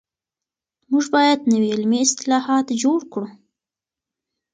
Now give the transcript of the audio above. موږ بايد نوي علمي اصطلاحات جوړ کړو.